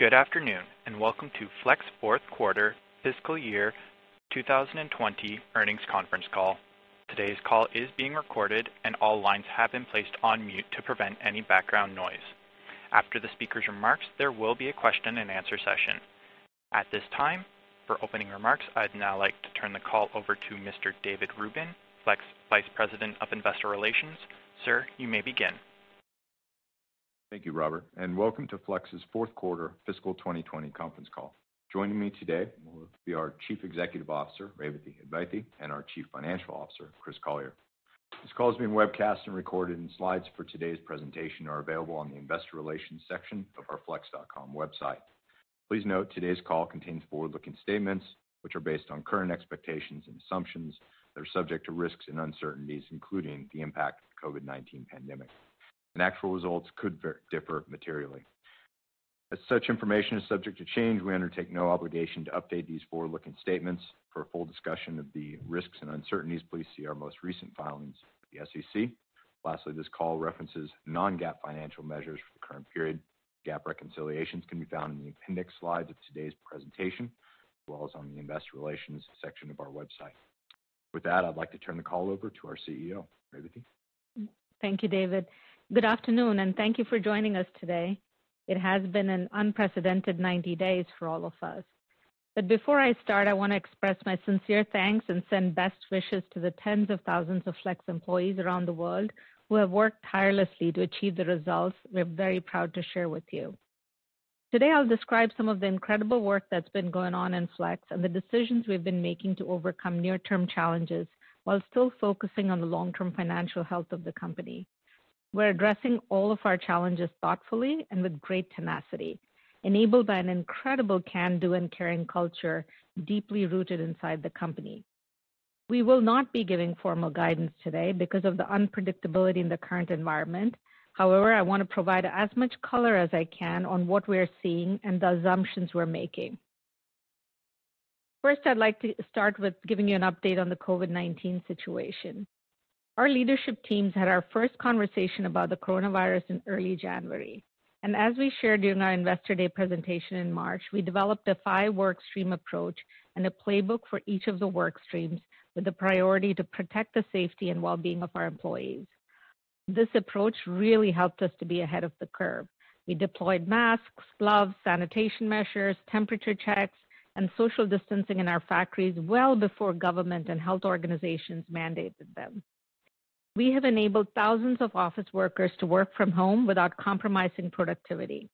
Good afternoon and welcome to Flex Fourth Quarter, Fiscal Year 2020, Earnings Conference Call. Today's call is being recorded, and all lines have been placed on mute to prevent any background noise. After the speaker's remarks, there will be a question-and-answer session. At this time, for opening remarks, I'd now like to turn the call over to Mr. David Rubin, Flex Vice President of Investor Relations. Sir, you may begin. Thank you, Robert, and welcome to Flex's Fourth Quarter Fiscal 2020 Conference Call. Joining me today will be our Chief Executive Officer, Revathi Advaithi, and our Chief Financial Officer, Chris Collier. This call is being webcast and recorded, and slides for today's presentation are available on the Investor Relations section of our flex.com website. Please note today's call contains forward-looking statements which are based on current expectations and assumptions that are subject to risks and uncertainties, including the impact of the COVID-19 pandemic. The actual results could differ materially. As such information is subject to change, we undertake no obligation to update these forward-looking statements. For a full discussion of the risks and uncertainties, please see our most recent filings at the SEC. Lastly, this call references non-GAAP financial measures for the current period. GAAP reconciliations can be found in the appendix slides of today's presentation, as well as on the Investor Relations section of our website. With that, I'd like to turn the call over to our CEO, Revathi. Thank you, David. Good afternoon, and thank you for joining us today. It has been an unprecedented 90 days for all of us. But before I start, I want to express my sincere thanks and send best wishes to the tens of thousands of Flex employees around the world who have worked tirelessly to achieve the results we're very proud to share with you. Today, I'll describe some of the incredible work that's been going on in Flex and the decisions we've been making to overcome near-term challenges while still focusing on the long-term financial health of the company. We're addressing all of our challenges thoughtfully and with great tenacity, enabled by an incredible can-do and caring culture deeply rooted inside the company. We will not be giving formal guidance today because of the unpredictability in the current environment. However, I want to provide as much color as I can on what we're seeing and the assumptions we're making. First, I'd like to start with giving you an update on the COVID-19 situation. Our leadership teams had our first conversation about the coronavirus in early January, and as we shared during our Investor Day presentation in March, we developed a five-workstream approach and a playbook for each of the work streams with the priority to protect the safety and well-being of our employees. This approach really helped us to be ahead of the curve. We deployed masks, gloves, sanitation measures, temperature checks, and social distancing in our factories well before government and health organizations mandated them. We have enabled thousands of office workers to work from home without compromising productivity.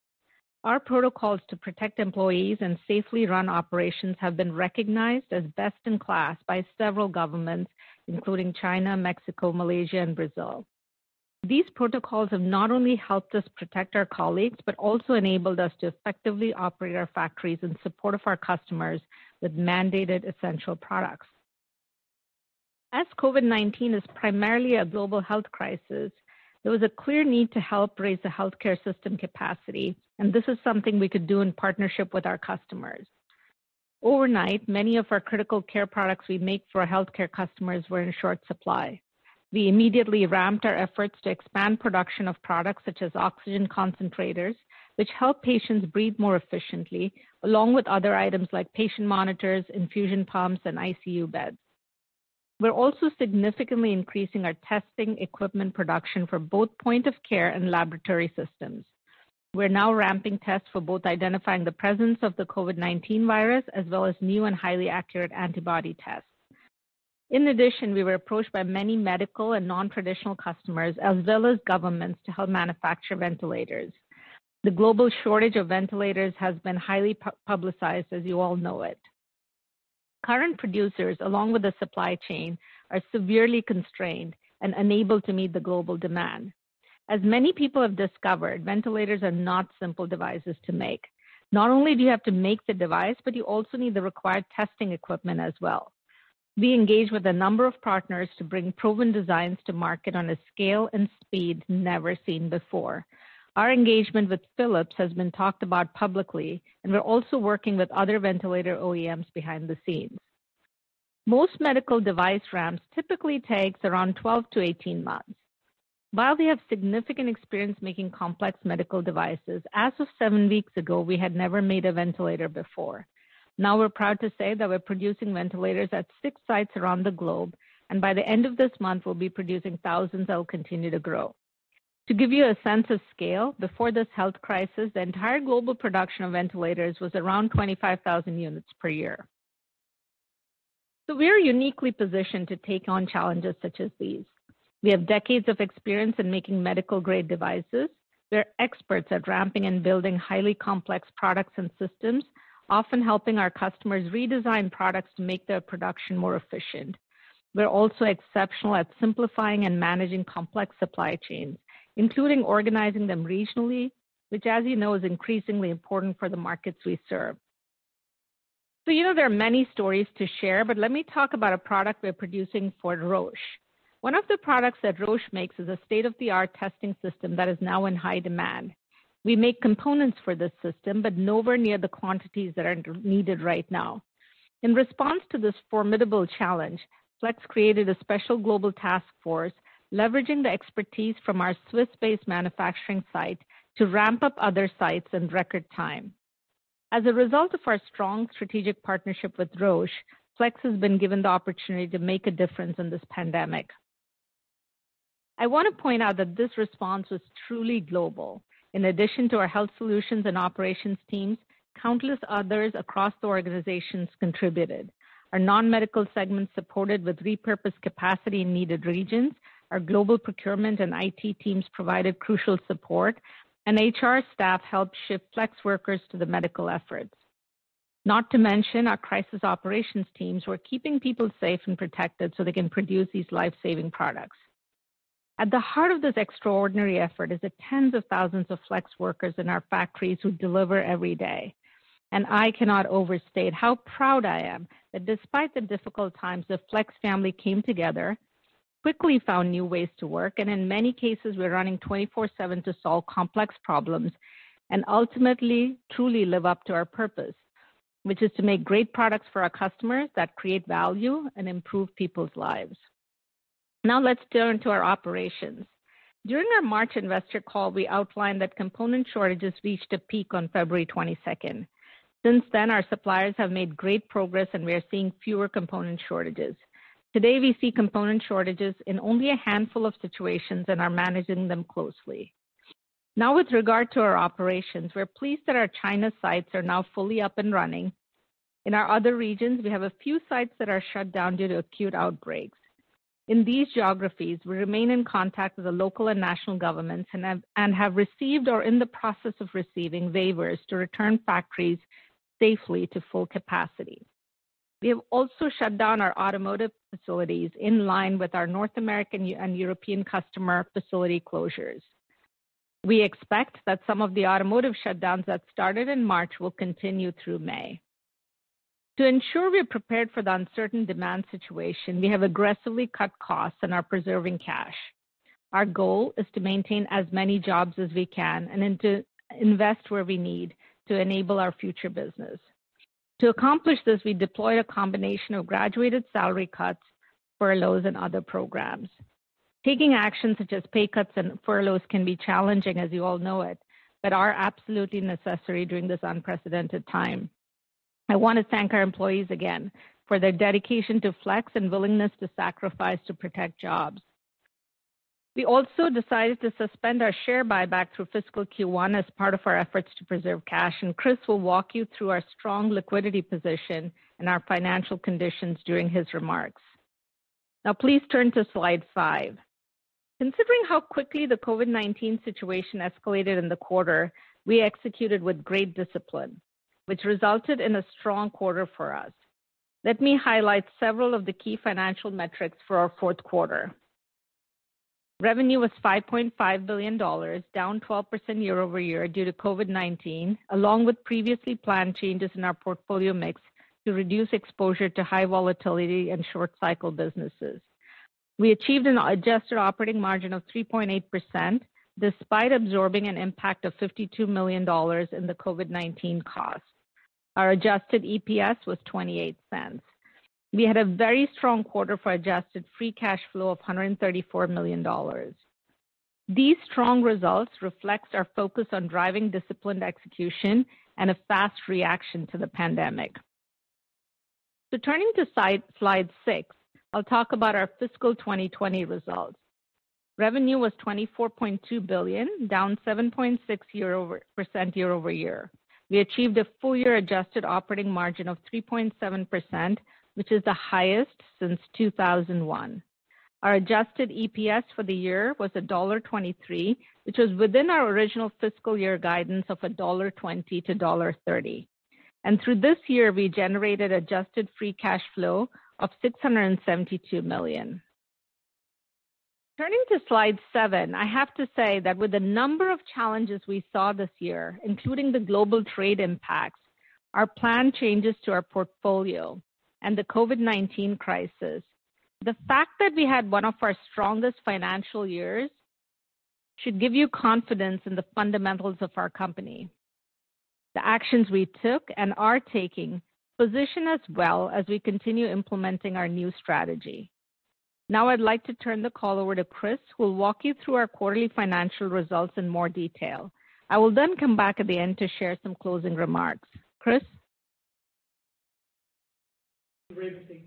Our protocols to protect employees and safely run operations have been recognized as best in class by several governments, including China, Mexico, Malaysia, and Brazil. These protocols have not only helped us protect our colleagues but also enabled us to effectively operate our factories in support of our customers with mandated essential products. As COVID-19 is primarily a global health crisis, there was a clear need to help raise the healthcare system capacity, and this is something we could do in partnership with our customers. Overnight, many of our critical care products we make for our healthcare customers were in short supply. We immediately ramped our efforts to expand production of products such as oxygen concentrators, which help patients breathe more efficiently, along with other items like patient monitors, infusion pumps, and ICU beds. We're also significantly increasing our testing equipment production for both point-of-care and laboratory systems. We're now ramping tests for both identifying the presence of the COVID-19 virus as well as new and highly accurate antibody tests. In addition, we were approached by many medical and non-traditional customers as well as governments to help manufacture ventilators. The global shortage of ventilators has been highly publicized, as you all know it. Our current producers, along with the supply chain, are severely constrained and unable to meet the global demand. As many people have discovered, ventilators are not simple devices to make. Not only do you have to make the device, but you also need the required testing equipment as well. We engage with a number of partners to bring proven designs to market on a scale and speed never seen before. Our engagement with Philips has been talked about publicly, and we're also working with other ventilator OEMs behind the scenes. Most medical device ramps typically take around 12 to 18 months. While we have significant experience making complex medical devices, as of seven weeks ago, we had never made a ventilator before. Now we're proud to say that we're producing ventilators at six sites around the globe, and by the end of this month, we'll be producing thousands that will continue to grow. To give you a sense of scale, before this health crisis, the entire global production of ventilators was around 25,000 units per year. So we are uniquely positioned to take on challenges such as these. We have decades of experience in making medical-grade devices. We're experts at ramping and building highly complex products and systems, often helping our customers redesign products to make their production more efficient. We're also exceptional at simplifying and managing complex supply chains, including organizing them regionally, which, as you know, is increasingly important for the markets we serve. So there are many stories to share, but let me talk about a product we're producing for Roche. One of the products that Roche makes is a state-of-the-art testing system that is now in high demand. We make components for this system, but nowhere near the quantities that are needed right now. In response to this formidable challenge, Flex created a special global task force, leveraging the expertise from our Swiss-based manufacturing site to ramp up other sites in record time. As a result of our strong strategic partnership with Roche, Flex has been given the opportunity to make a difference in this pandemic. I want to point out that this response was truly global. In addition to our health solutions and operations teams, countless others across the organizations contributed. Our non-medical segment supported with repurposed capacity in needed regions, our global procurement and IT teams provided crucial support, and HR staff helped shift Flex workers to the medical efforts. Not to mention our crisis operations teams were keeping people safe and protected so they can produce these life-saving products. At the heart of this extraordinary effort is the tens of thousands of Flex workers in our factories who deliver every day, and I cannot overstate how proud I am that despite the difficult times, the Flex family came together, quickly found new ways to work, and in many cases, we're running 24/7 to solve complex problems and ultimately truly live up to our purpose, which is to make great products for our customers that create value and improve people's lives. Now let's turn to our operations. During our March Investor Call, we outlined that component shortages reached a peak on February 22nd. Since then, our suppliers have made great progress, and we are seeing fewer component shortages. Today, we see component shortages in only a handful of situations and are managing them closely. Now, with regard to our operations, we're pleased that our China sites are now fully up and running. In our other regions, we have a few sites that are shut down due to acute outbreaks. In these geographies, we remain in contact with the local and national governments and have received or are in the process of receiving waivers to return factories safely to full capacity. We have also shut down our automotive facilities in line with our North American and European customer facility closures. We expect that some of the automotive shutdowns that started in March will continue through May. To ensure we're prepared for the uncertain demand situation, we have aggressively cut costs and are preserving cash. Our goal is to maintain as many jobs as we can and to invest where we need to enable our future business. To accomplish this, we deployed a combination of graduated salary cuts, furloughs, and other programs. Taking actions such as pay cuts and furloughs can be challenging, as you all know it, but are absolutely necessary during this unprecedented time. I want to thank our employees again for their dedication to Flex and willingness to sacrifice to protect jobs. We also decided to suspend our share buyback through fiscal Q1 as part of our efforts to preserve cash, and Chris will walk you through our strong liquidity position and our financial conditions during his remarks. Now, please turn to slide five. Considering how quickly the COVID-19 situation escalated in the quarter, we executed with great discipline, which resulted in a strong quarter for us. Let me highlight several of the key financial metrics for our fourth quarter. Revenue was $5.5 billion, down 12% year-over-year due to COVID-19, along with previously planned changes in our portfolio mix to reduce exposure to high volatility and short-cycle businesses. We achieved an adjusted operating margin of 3.8% despite absorbing an impact of $52 million in the COVID-19 cost. Our adjusted EPS was $0.28. We had a very strong quarter for adjusted free cash flow of $134 million. These strong results reflect our focus on driving disciplined execution and a fast reaction to the pandemic. So turning to slide six, I'll talk about our fiscal 2020 results. Revenue was $24.2 billion, down 7.6% year-over-year. We achieved a full-year adjusted operating margin of 3.7%, which is the highest since 2001. Our adjusted EPS for the year was $1.23, which was within our original fiscal year guidance of $1.20-$1.30. And through this year, we generated adjusted free cash flow of $672 million. Turning to slide seven, I have to say that with the number of challenges we saw this year, including the global trade impacts, our planned changes to our portfolio, and the COVID-19 crisis, the fact that we had one of our strongest financial years should give you confidence in the fundamentals of our company. The actions we took and are taking position as well as we continue implementing our new strategy. Now, I'd like to turn the call over to Chris, who will walk you through our quarterly financial results in more detail. I will then come back at the end to share some closing remarks. Chris. Thank you, Revathi.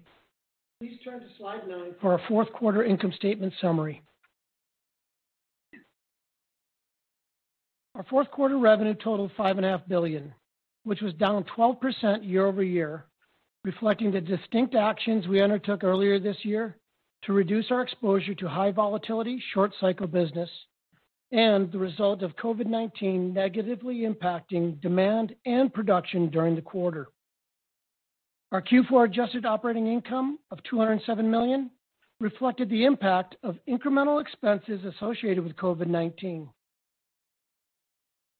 Please turn to slide nine for our fourth quarter income statement summary. Our fourth quarter revenue totaled $5.5 billion, which was down 12% year-over-year, reflecting the distinct actions we undertook earlier this year to reduce our exposure to high volatility, short-cycle business, and the result of COVID-19 negatively impacting demand and production during the quarter. Our Q4 adjusted operating income of $207 million reflected the impact of incremental expenses associated with COVID-19.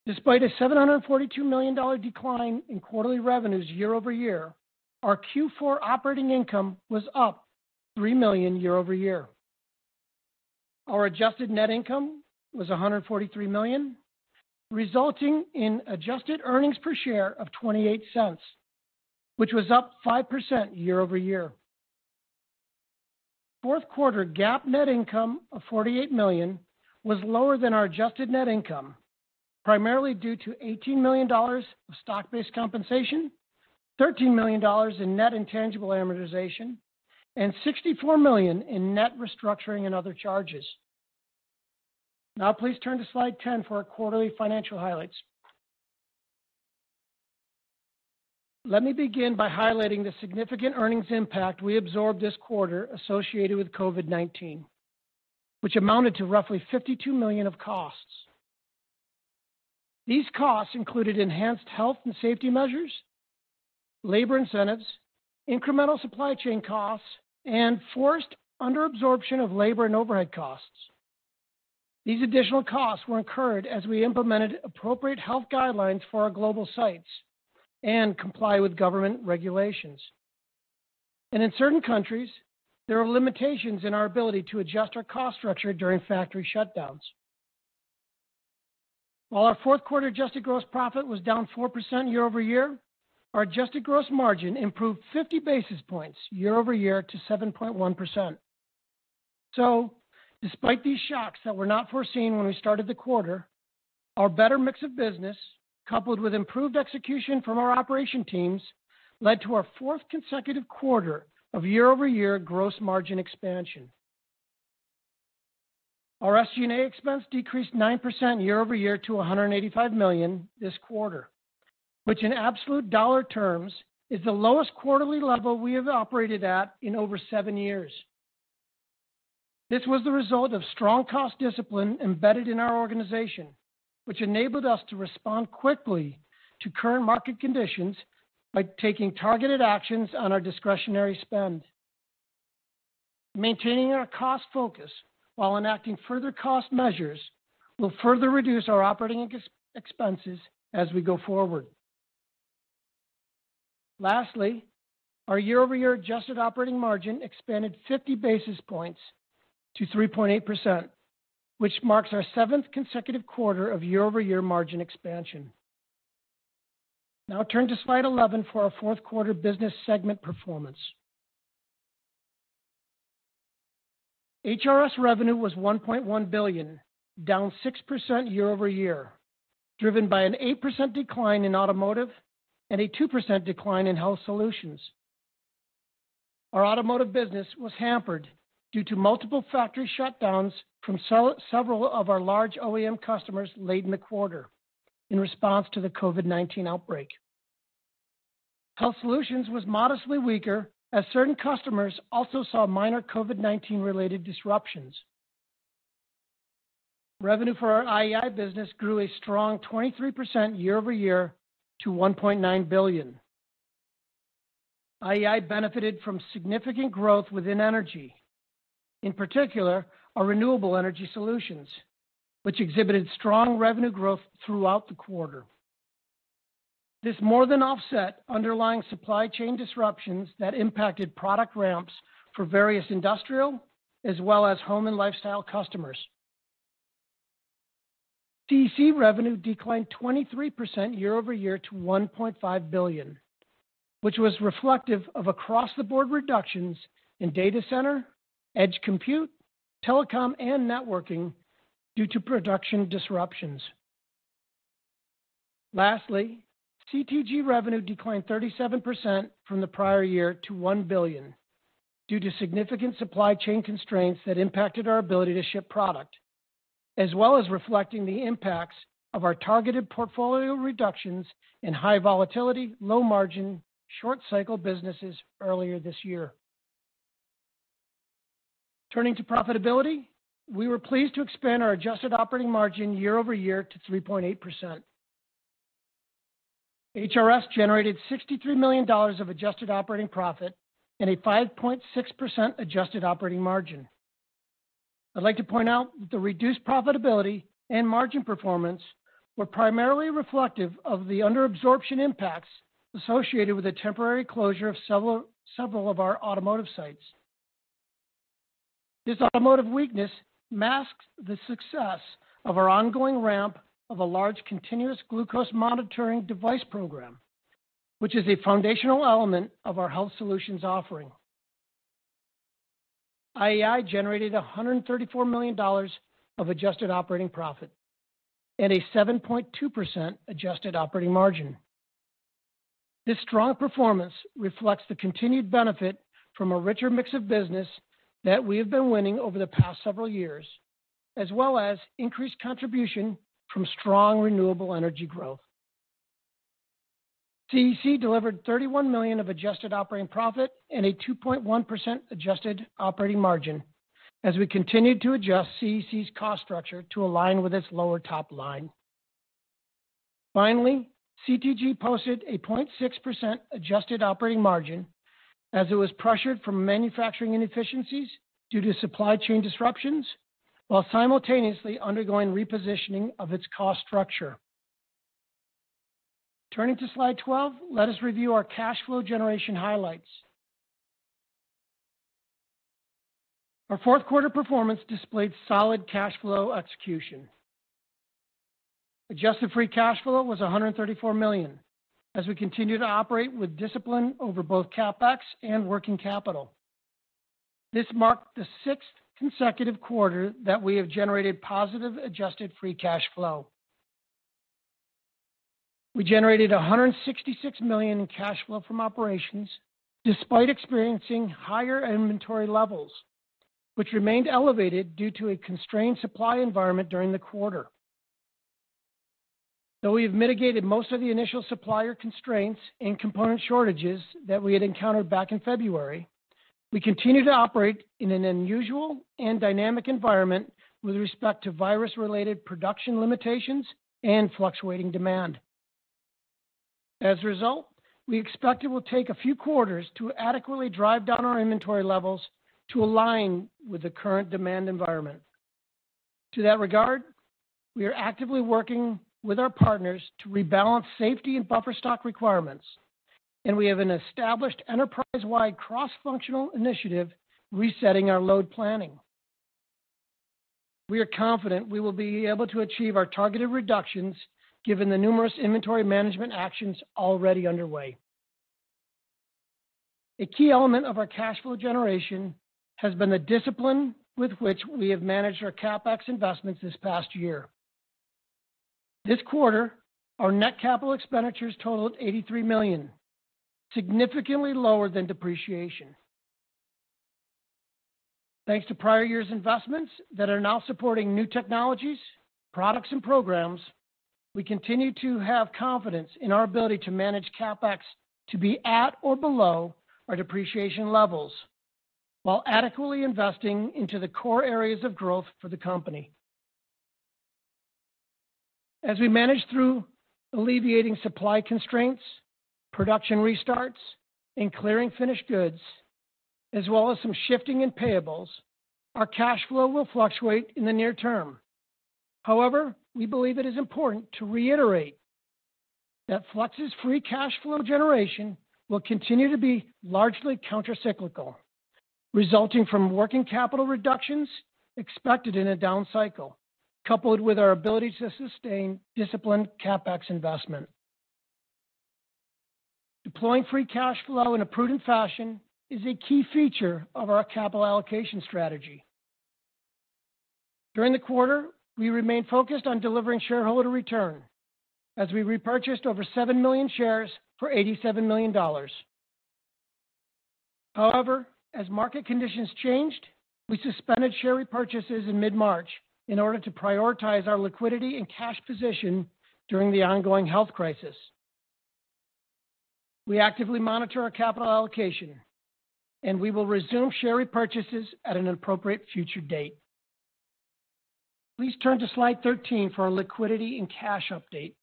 Despite a $742 million decline in quarterly revenues year-over-year, our Q4 operating income was up $3 million year-over-year. Our adjusted net income was $143 million, resulting in adjusted earnings per share of $0.28, which was up 5% year-over-year. Fourth quarter GAAP net income of $48 million was lower than our adjusted net income, primarily due to $18 million of stock-based compensation, $13 million in net intangible amortization, and $64 million in net restructuring and other charges. Now, please turn to slide 10 for our quarterly financial highlights. Let me begin by highlighting the significant earnings impact we absorbed this quarter associated with COVID-19, which amounted to roughly $52 million of costs. These costs included enhanced health and safety measures, labor incentives, incremental supply chain costs, and forced underabsorption of labor and overhead costs. These additional costs were incurred as we implemented appropriate health guidelines for our global sites and complied with government regulations, and in certain countries, there were limitations in our ability to adjust our cost structure during factory shutdowns. While our fourth quarter adjusted gross profit was down 4% year-over-year, our adjusted gross margin improved 50 basis points year-over-year to 7.1%. So despite these shocks that were not foreseen when we started the quarter, our better mix of business, coupled with improved execution from our operations teams, led to our fourth consecutive quarter of year-over-year gross margin expansion. Our SG&A expense decreased 9% year-over-year to $185 million this quarter, which in absolute dollar terms is the lowest quarterly level we have operated at in over seven years. This was the result of strong cost discipline embedded in our organization, which enabled us to respond quickly to current market conditions by taking targeted actions on our discretionary spend. Maintaining our cost focus while enacting further cost measures will further reduce our operating expenses as we go forward. Lastly, our year-over-year adjusted operating margin expanded 50 basis points to 3.8%, which marks our seventh consecutive quarter of year-over-year margin expansion. Now turn to slide 11 for our fourth quarter business segment performance. HRS revenue was $1.1 billion, down 6% year-over-year, driven by an 8% decline in automotive and a 2% decline in health solutions. Our automotive business was hampered due to multiple factory shutdowns from several of our large OEM customers late in the quarter in response to the COVID-19 outbreak. Health solutions was modestly weaker as certain customers also saw minor COVID-19-related disruptions. Revenue for our IEI business grew a strong 23% year-over-year to $1.9 billion. IEI benefited from significant growth within energy, in particular our renewable energy solutions, which exhibited strong revenue growth throughout the quarter. This more than offset underlying supply chain disruptions that impacted product ramps for various industrial as well as home and lifestyle customers. CEC revenue declined 23% year-over-year to $1.5 billion, which was reflective of across-the-board reductions in data center, edge compute, telecom, and networking due to production disruptions. Lastly, CTG revenue declined 37% from the prior year to $1 billion due to significant supply chain constraints that impacted our ability to ship product, as well as reflecting the impacts of our targeted portfolio reductions in high volatility, low margin, short-cycle businesses earlier this year. Turning to profitability, we were pleased to expand our adjusted operating margin year-over-year to 3.8%. HRS generated $63 million of adjusted operating profit and a 5.6% adjusted operating margin. I'd like to point out that the reduced profitability and margin performance were primarily reflective of the underabsorption impacts associated with the temporary closure of several of our automotive sites. This automotive weakness masks the success of our ongoing ramp of a large continuous glucose monitoring device program, which is a foundational element of our health solutions offering. IEI generated $134 million of adjusted operating profit and a 7.2% adjusted operating margin. This strong performance reflects the continued benefit from a richer mix of business that we have been winning over the past several years, as well as increased contribution from strong renewable energy growth. CEC delivered $31 million of adjusted operating profit and a 2.1% adjusted operating margin as we continued to adjust CEC's cost structure to align with its lower top line. Finally, CTG posted a 0.6% adjusted operating margin as it was pressured from manufacturing inefficiencies due to supply chain disruptions while simultaneously undergoing repositioning of its cost structure. Turning to slide 12, let us review our cash flow generation highlights. Our fourth quarter performance displayed solid cash flow execution. Adjusted free cash flow was $134 million as we continued to operate with discipline over both CapEx and working capital. This marked the sixth consecutive quarter that we have generated positive adjusted free cash flow. We generated $166 million in cash flow from operations despite experiencing higher inventory levels, which remained elevated due to a constrained supply environment during the quarter. Though we have mitigated most of the initial supplier constraints and component shortages that we had encountered back in February, we continue to operate in an unusual and dynamic environment with respect to virus-related production limitations and fluctuating demand. As a result, we expect it will take a few quarters to adequately drive down our inventory levels to align with the current demand environment. To that regard, we are actively working with our partners to rebalance safety and buffer stock requirements, and we have an established enterprise-wide cross-functional initiative resetting our load planning. We are confident we will be able to achieve our targeted reductions given the numerous inventory management actions already underway. A key element of our cash flow generation has been the discipline with which we have managed our CapEx investments this past year. This quarter, our net capital expenditures totaled $83 million, significantly lower than depreciation. Thanks to prior year's investments that are now supporting new technologies, products, and programs, we continue to have confidence in our ability to manage CapEx to be at or below our depreciation levels while adequately investing into the core areas of growth for the company. As we manage through alleviating supply constraints, production restarts, and clearing finished goods, as well as some shifting in payables, our cash flow will fluctuate in the near term. However, we believe it is important to reiterate that Flex's free cash flow generation will continue to be largely countercyclical, resulting from working capital reductions expected in a down cycle, coupled with our ability to sustain disciplined CapEx investment. Deploying free cash flow in a prudent fashion is a key feature of our capital allocation strategy. During the quarter, we remained focused on delivering shareholder return as we repurchased over seven million shares for $87 million. However, as market conditions changed, we suspended share repurchases in mid-March in order to prioritize our liquidity and cash position during the ongoing health crisis. We actively monitor our capital allocation, and we will resume share repurchases at an appropriate future date. Please turn to slide 13 for our liquidity and cash update.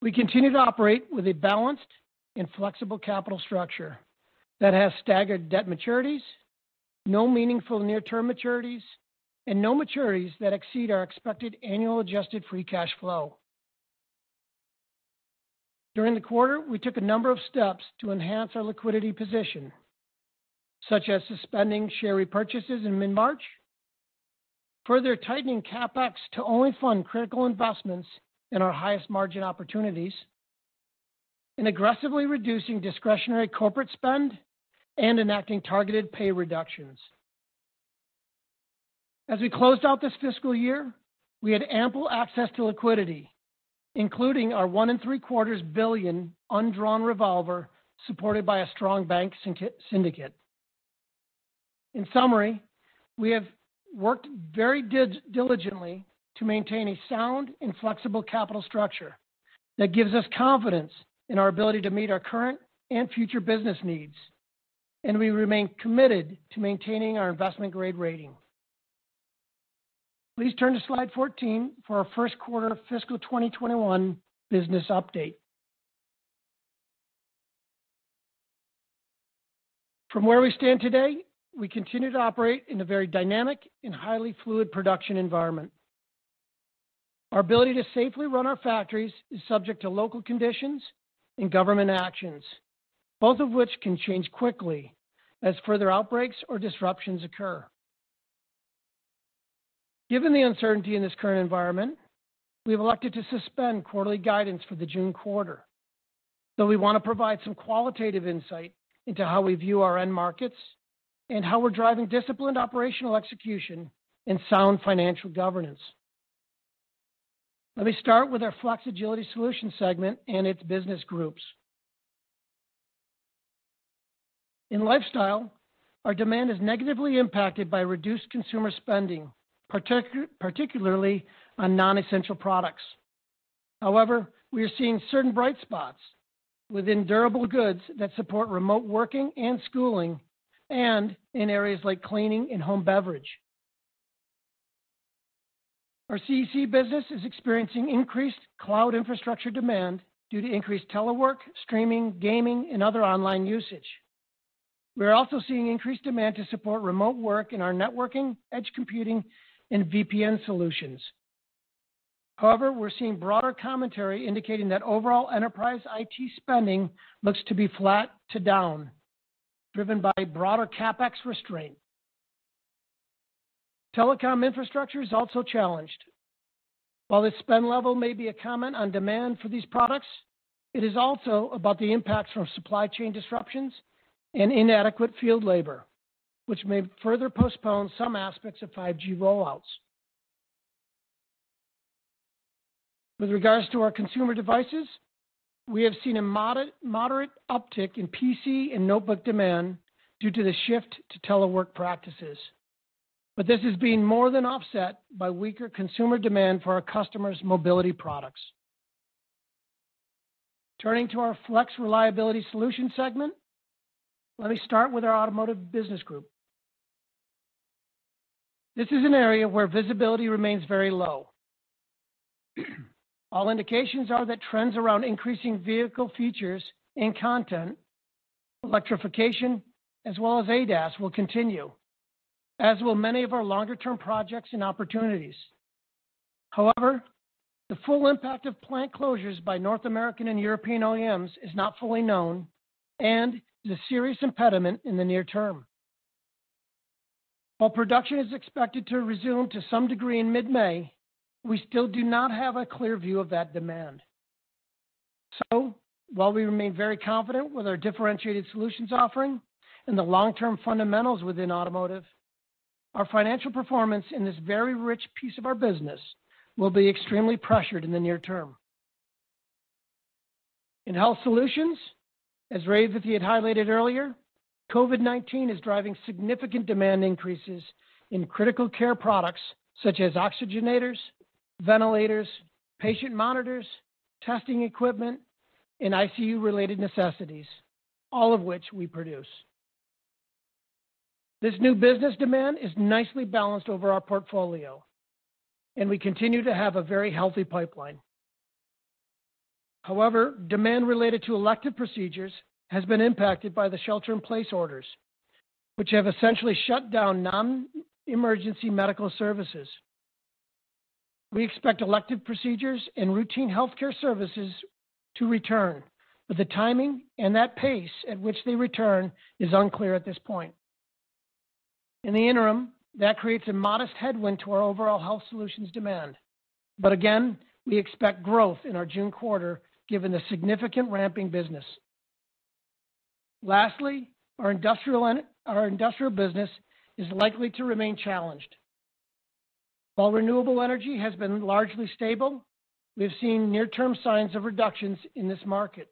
We continue to operate with a balanced and flexible capital structure that has staggered debt maturities, no meaningful near-term maturities, and no maturities that exceed our expected annual adjusted free cash flow. During the quarter, we took a number of steps to enhance our liquidity position, such as suspending share repurchases in mid-March, further tightening CapEx to only fund critical investments in our highest margin opportunities, and aggressively reducing discretionary corporate spend and enacting targeted pay reductions. As we closed out this fiscal year, we had ample access to liquidity, including our $1.3 billion undrawn revolver supported by a strong bank syndicate. In summary, we have worked very diligently to maintain a sound and flexible capital structure that gives us confidence in our ability to meet our current and future business needs, and we remain committed to maintaining our investment-grade rating. Please turn to slide 14 for our first quarter of fiscal 2021 business update. From where we stand today, we continue to operate in a very dynamic and highly fluid production environment. Our ability to safely run our factories is subject to local conditions and government actions, both of which can change quickly as further outbreaks or disruptions occur. Given the uncertainty in this current environment, we have elected to suspend quarterly guidance for the June quarter, though we want to provide some qualitative insight into how we view our end markets and how we're driving disciplined operational execution and sound financial governance. Let me start with our Flex Agility Solutions segment and its business groups. In lifestyle, our demand is negatively impacted by reduced consumer spending, particularly on non-essential products. However, we are seeing certain bright spots within durable goods that support remote working and schooling and in areas like cleaning and home beverage. Our CEC business is experiencing increased cloud infrastructure demand due to increased telework, streaming, gaming, and other online usage. We are also seeing increased demand to support remote work in our networking, edge computing, and VPN solutions. However, we're seeing broader commentary indicating that overall enterprise IT spending looks to be flat to down, driven by broader CapEx restraint. Telecom infrastructure is also challenged. While this spend level may be a comment on demand for these products, it is also about the impacts from supply chain disruptions and inadequate field labor, which may further postpone some aspects of 5G rollouts. With regards to our consumer devices, we have seen a moderate uptick in PC and notebook demand due to the shift to telework practices, but this is being more than offset by weaker consumer demand for our customers' mobility products. Turning to our Flex Reliability Solutions segment, let me start with our automotive business group. This is an area where visibility remains very low. All indications are that trends around increasing vehicle features and content, electrification, as well as ADAS, will continue, as will many of our longer-term projects and opportunities. However, the full impact of plant closures by North American and European OEMs is not fully known and is a serious impediment in the near term. While production is expected to resume to some degree in mid-May, we still do not have a clear view of that demand. So, while we remain very confident with our differentiated solutions offering and the long-term fundamentals within automotive, our financial performance in this very rich piece of our business will be extremely pressured in the near term. In health solutions, as Revathi had highlighted earlier, COVID-19 is driving significant demand increases in critical care products such as oxygen concentrators, ventilators, patient monitors, testing equipment, and ICU-related necessities, all of which we produce. This new business demand is nicely balanced over our portfolio, and we continue to have a very healthy pipeline. However, demand related to elective procedures has been impacted by the shelter-in-place orders, which have essentially shut down non-emergency medical services. We expect elective procedures and routine healthcare services to return, but the timing and the pace at which they return is unclear at this point. In the interim, that creates a modest headwind to our overall health solutions demand. But again, we expect growth in our June quarter given the significant ramping business. Lastly, our industrial business is likely to remain challenged. While renewable energy has been largely stable, we have seen near-term signs of reductions in this market.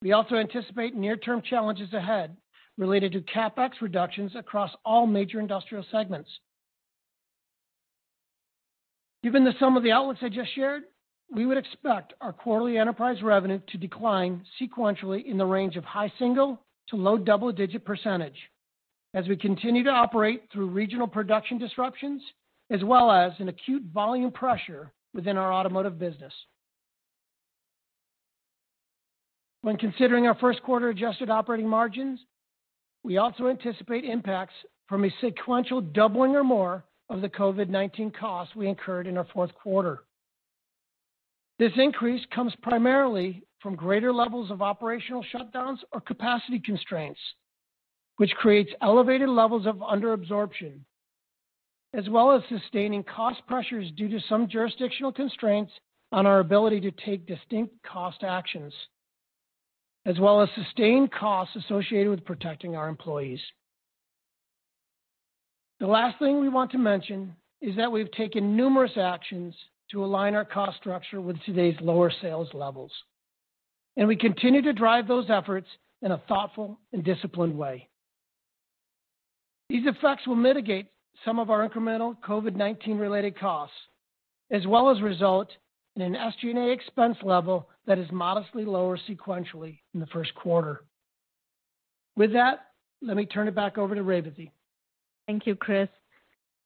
We also anticipate near-term challenges ahead related to CapEx reductions across all major industrial segments. Given the sum of the outlets I just shared, we would expect our quarterly enterprise revenue to decline sequentially in the range of high single-digit to low double-digit % as we continue to operate through regional production disruptions as well as an acute volume pressure within our automotive business. When considering our first quarter adjusted operating margins, we also anticipate impacts from a sequential doubling or more of the COVID-19 costs we incurred in our fourth quarter. This increase comes primarily from greater levels of operational shutdowns or capacity constraints, which creates elevated levels of underabsorption, as well as sustaining cost pressures due to some jurisdictional constraints on our ability to take distinct cost actions, as well as sustained costs associated with protecting our employees. The last thing we want to mention is that we've taken numerous actions to align our cost structure with today's lower sales levels, and we continue to drive those efforts in a thoughtful and disciplined way. These effects will mitigate some of our incremental COVID-19-related costs, as well as result in an estimated expense level that is modestly lower sequentially in the first quarter. With that, let me turn it back over to Revathi Advaithi. Thank you, Chris.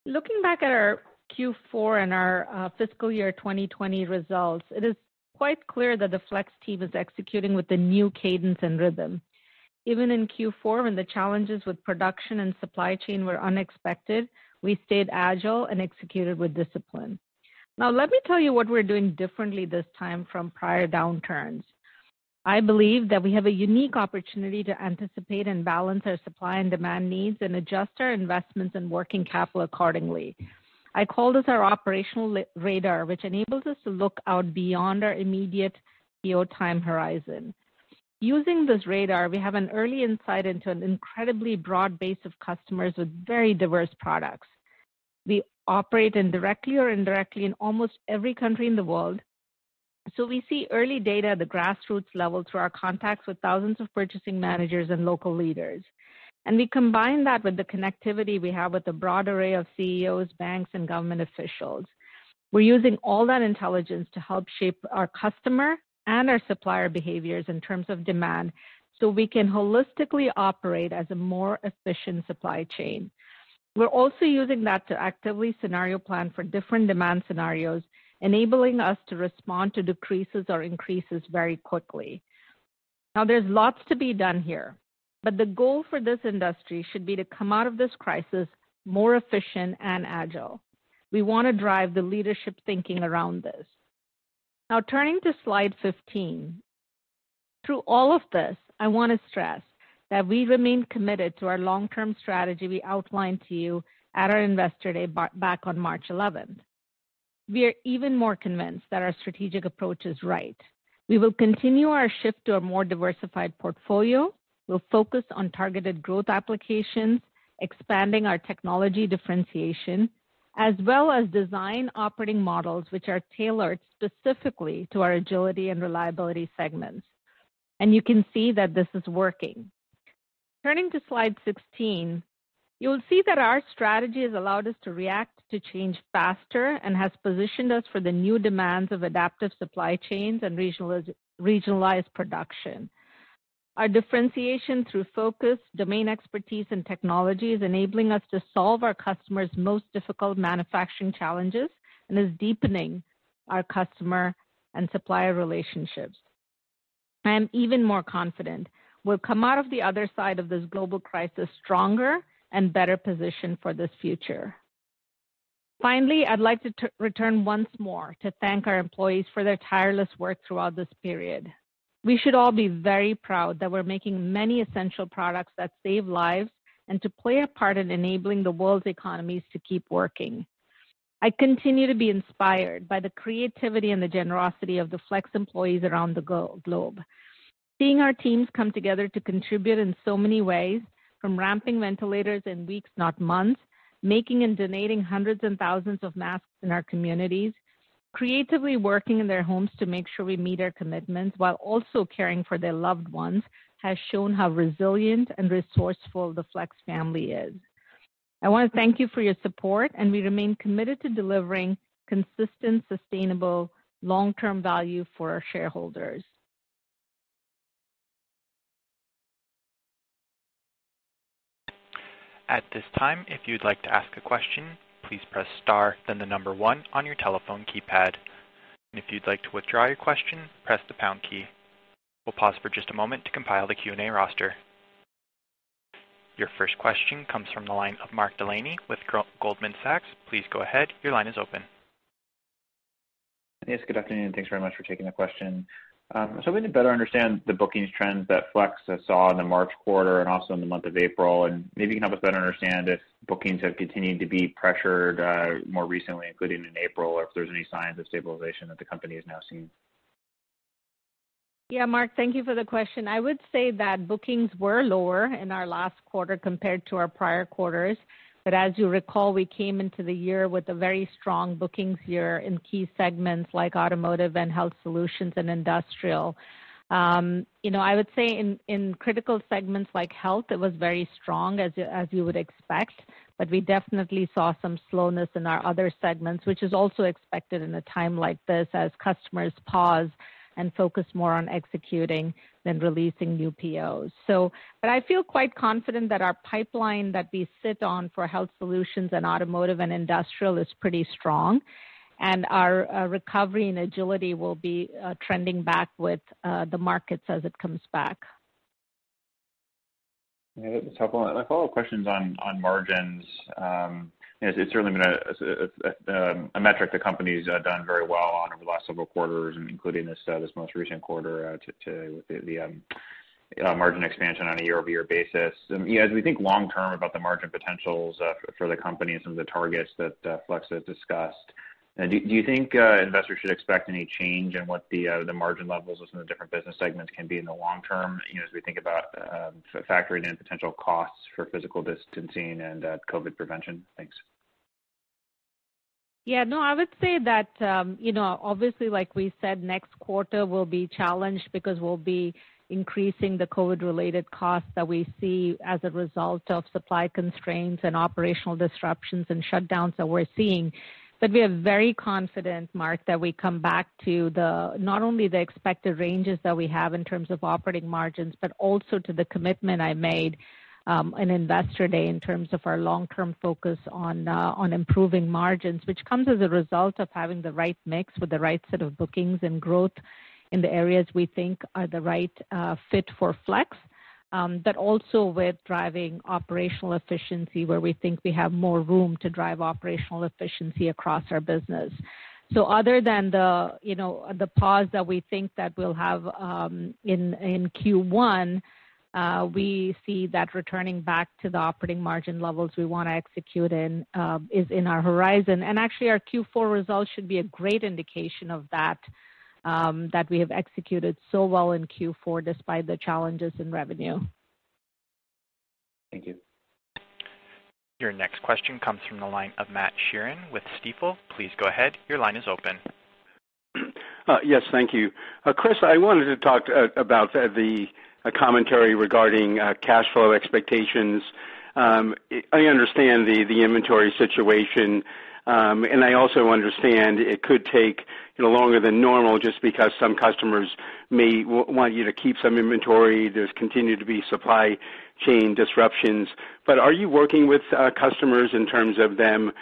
Looking back at our Q4 and our fiscal year 2020 results, it is quite clear that the Flex team is executing with a new cadence and rhythm. Even in Q4, when the challenges with production and supply chain were unexpected, we stayed agile and executed with discipline. Now, let me tell you what we're doing differently this time from prior downturns. I believe that we have a unique opportunity to anticipate and balance our supply and demand needs and adjust our investments and working capital accordingly. I call this our operational radar, which enables us to look out beyond our immediate PO time horizon. Using this radar, we have an early insight into an incredibly broad base of customers with very diverse products. We operate directly or indirectly in almost every country in the world, so we see early data at the grassroots level through our contacts with thousands of purchasing managers and local leaders. And we combine that with the connectivity we have with a broad array of CEOs, banks, and government officials. We're using all that intelligence to help shape our customer and our supplier behaviors in terms of demand so we can holistically operate as a more efficient supply chain. We're also using that to actively scenario plan for different demand scenarios, enabling us to respond to decreases or increases very quickly. Now, there's lots to be done here, but the goal for this industry should be to come out of this crisis more efficient and agile. We want to drive the leadership thinking around this. Now, turning to slide 15, through all of this, I want to stress that we remain committed to our long-term strategy we outlined to you at our Investor Day back on March 11th. We are even more convinced that our strategic approach is right. We will continue our shift to a more diversified portfolio. We'll focus on targeted growth applications, expanding our technology differentiation, as well as design operating models which are tailored specifically to our Agility and Reliability segments, and you can see that this is working. Turning to slide 16, you'll see that our strategy has allowed us to react to change faster and has positioned us for the new demands of adaptive supply chains and regionalized production. Our differentiation through focus, domain expertise, and technology is enabling us to solve our customers' most difficult manufacturing challenges and is deepening our customer and supplier relationships. I am even more confident we'll come out of the other side of this global crisis stronger and better positioned for this future. Finally, I'd like to return once more to thank our employees for their tireless work throughout this period. We should all be very proud that we're making many essential products that save lives and to play a part in enabling the world's economies to keep working. I continue to be inspired by the creativity and the generosity of the Flex employees around the globe. Seeing our teams come together to contribute in so many ways, from ramping ventilators in weeks, not months, making and donating hundreds and thousands of masks in our communities, creatively working in their homes to make sure we meet our commitments while also caring for their loved ones has shown how resilient and resourceful the Flex family is. I want to thank you for your support, and we remain committed to delivering consistent, sustainable, long-term value for our shareholders. At this time, if you'd like to ask a question, please press star, then the number one on your telephone keypad. And if you'd like to withdraw your question, press the pound key. We'll pause for just a moment to compile the Q&A roster. Your first question comes from the line of Mark Delaney with Goldman Sachs. Please go ahead. Your line is open. Yes, good afternoon. Thanks very much for taking the question. So I'm hoping to better understand the bookings trends that Flex saw in the March quarter and also in the month of April, and maybe you can help us better understand if bookings have continued to be pressured more recently, including in April, or if there's any signs of stabilization that the company has now seen. Yeah, Mark, thank you for the question. I would say that bookings were lower in our last quarter compared to our prior quarters. But as you recall, we came into the year with a very strong bookings year in key segments like automotive and health solutions and industrial. I would say in critical segments like health, it was very strong, as you would expect, but we definitely saw some slowness in our other segments, which is also expected in a time like this as customers pause and focus more on executing than releasing new POs. But I feel quite confident that our pipeline that we sit on for health solutions and automotive and industrial is pretty strong, and our recovery and agility will be trending back with the markets as it comes back. That's helpful. My follow-up question is on margins. It's certainly been a metric the company's done very well on over the last several quarters, including this most recent quarter with the margin expansion on a year-over-year basis. As we think long-term about the margin potentials for the company and some of the targets that Flex has discussed, do you think investors should expect any change in what the margin levels within the different business segments can be in the long term as we think about factoring in potential costs for physical distancing and COVID prevention? Thanks. Yeah, no, I would say that obviously, like we said, next quarter will be challenged because we'll be increasing the COVID-related costs that we see as a result of supply constraints and operational disruptions and shutdowns that we're seeing. But we are very confident, Mark, that we come back to not only the expected ranges that we have in terms of operating margins, but also to the commitment I made on Investor Day in terms of our long-term focus on improving margins, which comes as a result of having the right mix with the right set of bookings and growth in the areas we think are the right fit for Flex, but also with driving operational efficiency where we think we have more room to drive operational efficiency across our business. So other than the pause that we think that we'll have in Q1, we see that returning back to the operating margin levels we want to execute in is in our horizon. And actually, our Q4 results should be a great indication of that, that we have executed so well in Q4 despite the challenges in revenue. Thank you. Your next question comes from the line of Matt Sheerin with Stifel. Please go ahead. Your line is open. Yes, thank you. Chris, I wanted to talk about the commentary regarding cash flow expectations. I understand the inventory situation, and I also understand it could take longer than normal just because some customers may want you to keep some inventory. There's continued to be supply chain disruptions. But are you working with customers in terms of them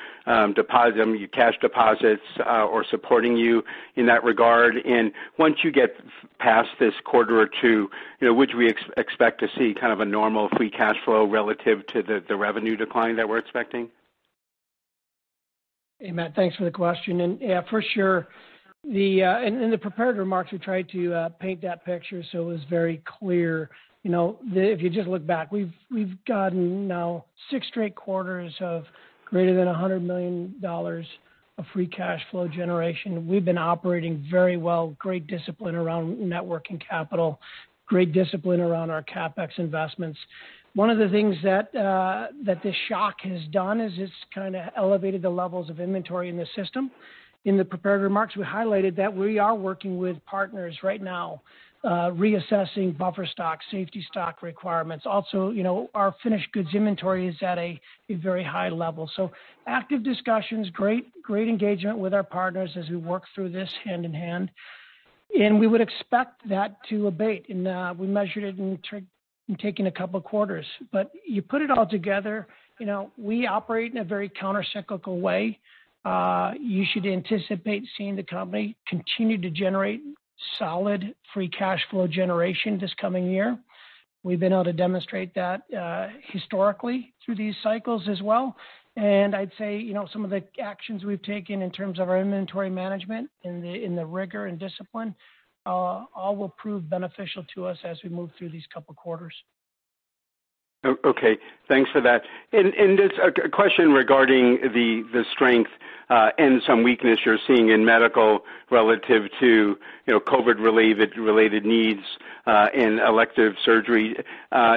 depositing cash deposits or supporting you in that regard? And once you get past this quarter or two, would we expect to see kind of a normal free cash flow relative to the revenue decline that we're expecting? Hey, Matt, thanks for the question. And yeah, for sure. In the prepared remarks, we tried to paint that picture so it was very clear. If you just look back, we've gotten now six straight quarters of greater than $100 million of free cash flow generation. We've been operating very well, great discipline around working capital, great discipline around our CapEx investments. One of the things that this shock has done is it's kind of elevated the levels of inventory in the system. In the prepared remarks, we highlighted that we are working with partners right now reassessing buffer stock, safety stock requirements. Also, our finished goods inventory is at a very high level. So active discussions, great engagement with our partners as we work through this hand in hand, and we would expect that to abate, and we measured it in taking a couple of quarters, but you put it all together, we operate in a very countercyclical way. You should anticipate seeing the company continue to generate solid free cash flow generation this coming year. We've been able to demonstrate that historically through these cycles as well. And I'd say some of the actions we've taken in terms of our inventory management and the rigor and discipline all will prove beneficial to us as we move through these couple of quarters. Okay, thanks for that. And there's a question regarding the strength and some weakness you're seeing in medical relative to COVID-related needs and elective surgery. On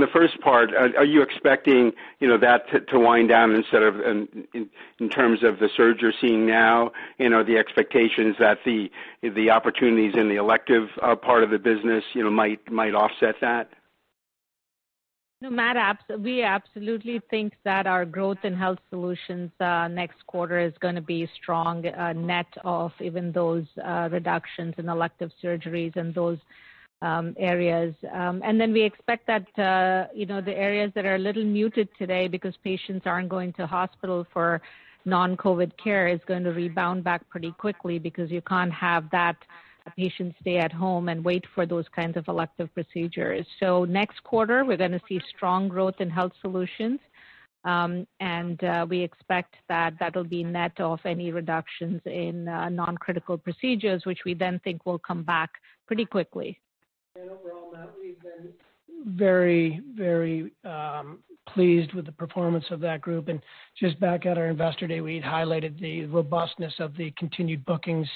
the first part, are you expecting that to wind down in terms of the surge you're seeing now, and are the expectations that the opportunities in the elective part of the business might offset that? No, we absolutely think that our growth in health solutions next quarter is going to be a strong net of even those reductions in elective surgeries and those areas. And then we expect that the areas that are a little muted today because patients aren't going to hospital for non-COVID care is going to rebound back pretty quickly because you can't have that patient stay at home and wait for those kinds of elective procedures. So next quarter, we're going to see strong growth in health solutions. And we expect that that'll be net of any reductions in non-critical procedures, which we then think will come back pretty quickly. And overall, Matt, we've been very, very pleased with the performance of that group. And just back at our Investor Day, we'd highlighted the robustness of the continued bookings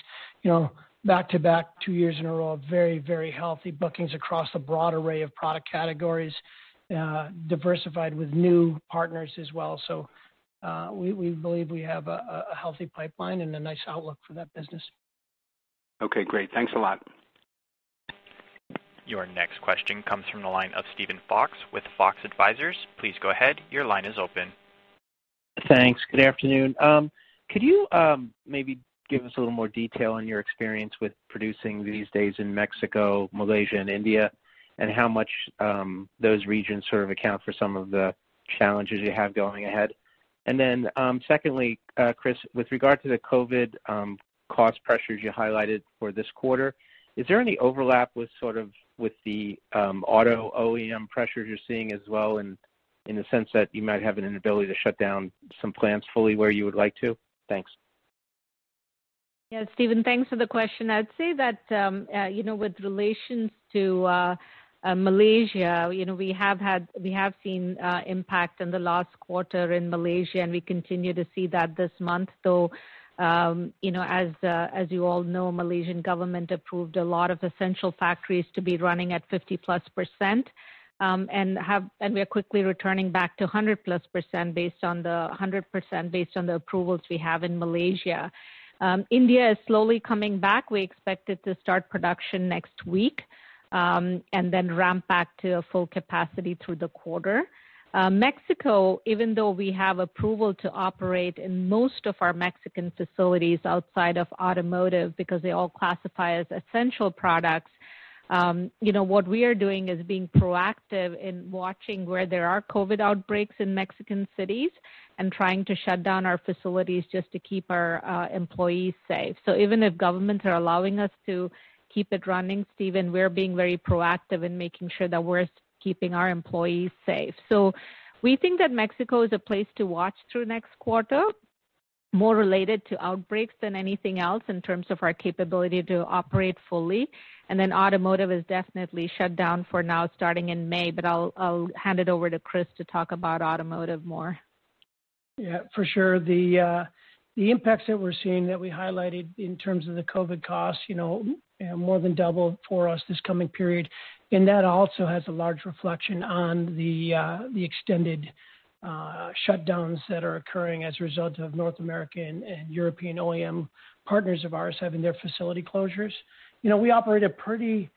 back to back two years in a row, very, very healthy bookings across a broad array of product categories, diversified with new partners as well. So we believe we have a healthy pipeline and a nice outlook for that business. Okay, great. Thanks a lot. Your next question comes from the line of Steven Fox with Fox Advisors. Please go ahead. Your line is open. Thanks. Good afternoon. Could you maybe give us a little more detail on your experience with producing these days in Mexico, Malaysia, and India, and how much those regions sort of account for some of the challenges you have going ahead? Then secondly, Chris, with regard to the COVID cost pressures you highlighted for this quarter, is there any overlap with sort of with the auto OEM pressures you're seeing as well in the sense that you might have an inability to shut down some plants fully where you would like to? Thanks. Yeah, Steven, thanks for the question. I'd say that in relation to Malaysia, we have seen impact in the last quarter in Malaysia, and we continue to see that this month. Though, as you all know, the Malaysian government approved a lot of essential factories to be running at 50-plus %, and we are quickly returning back to 100-plus % based on the 100% approvals we have in Malaysia. India is slowly coming back. We expect it to start production next week and then ramp back to full capacity through the quarter. Mexico, even though we have approval to operate in most of our Mexican facilities outside of automotive because they all classify as essential products, what we are doing is being proactive in watching where there are COVID outbreaks in Mexican cities and trying to shut down our facilities just to keep our employees safe. So even if governments are allowing us to keep it running, Steven, we're being very proactive in making sure that we're keeping our employees safe. So we think that Mexico is a place to watch through next quarter, more related to outbreaks than anything else in terms of our capability to operate fully. And then automotive is definitely shut down for now starting in May, but I'll hand it over to Chris to talk about automotive more. Yeah, for sure. The impacts that we're seeing that we highlighted in terms of the COVID costs more than doubled for us this coming period. And that also has a large reflection on the extended shutdowns that are occurring as a result of North American and European OEM partners of ours having their facility closures. We operate at pretty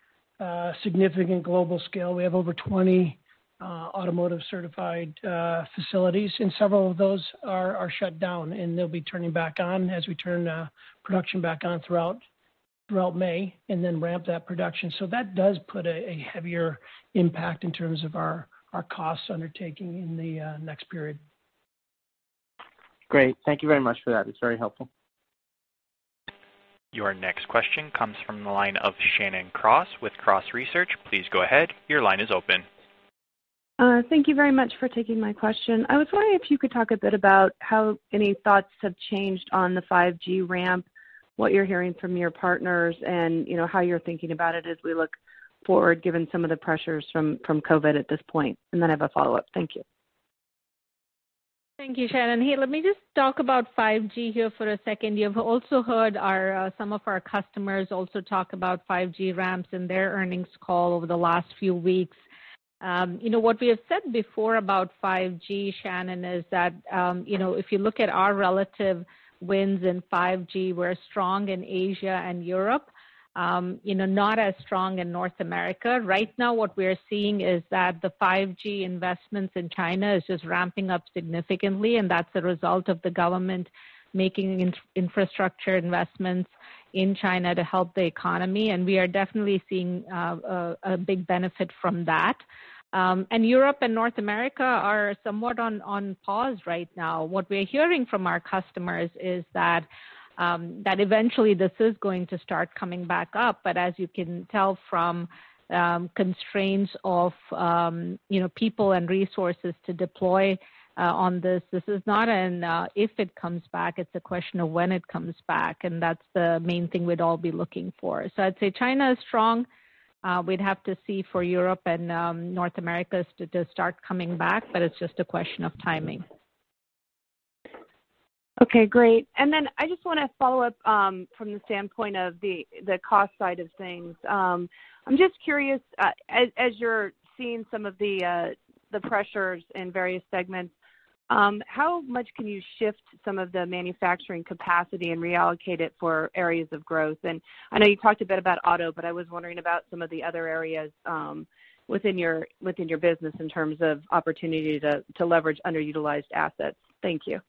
significant global scale. We have over 20 automotive-certified facilities, and several of those are shut down, and they'll be turning back on as we turn production back on throughout May and then ramp that production. So that does put a heavier impact in terms of our cost undertaking in the next period. Great. Thank you very much for that. It's very helpful. Your next question comes from the line of Shannon Cross with Cross Research. Please go ahead. Your line is open. Thank you very much for taking my question. I was wondering if you could talk a bit about how any thoughts have changed on the 5G ramp, what you're hearing from your partners, and how you're thinking about it as we look forward given some of the pressures from COVID at this point, and then I have a follow-up. Thank you. Thank you, Shannon. Hey, let me just talk about 5G here for a second. You've also heard some of our customers talk about 5G ramps in their earnings call over the last few weeks. What we have said before about 5G, Shannon, is that if you look at our relative wins in 5G, we're strong in Asia and Europe, not as strong in North America. Right now, what we are seeing is that the 5G investments in China are just ramping up significantly, and that's a result of the government making infrastructure investments in China to help the economy. And we are definitely seeing a big benefit from that. And Europe and North America are somewhat on pause right now. What we're hearing from our customers is that eventually this is going to start coming back up. But as you can tell from constraints of people and resources to deploy on this, this is not an if it comes back. It's a question of when it comes back. And that's the main thing we'd all be looking for. So I'd say China is strong. We'd have to see for Europe and North America to start coming back, but it's just a question of timing. Okay, great. And then I just want to follow up from the standpoint of the cost side of things. I'm just curious, as you're seeing some of the pressures in various segments, how much can you shift some of the manufacturing capacity and reallocate it for areas of growth? And I know you talked a bit about auto, but I was wondering about some of the other areas within your business in terms of opportunity to leverage underutilized assets. Thank you.